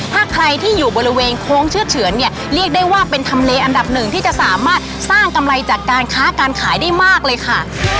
ถ้าใครที่อยู่บริเวณโค้งเชือดเฉือนเนี่ยเรียกได้ว่าเป็นทำเลอันดับหนึ่งที่จะสามารถสร้างกำไรจากการค้าการขายได้มากเลยค่ะ